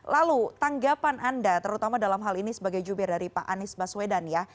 lalu tanggapan anda terutama dalam hal ini sebagai jubir dari pak anies baswedan ya